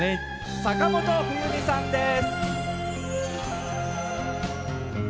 坂本冬美さんです。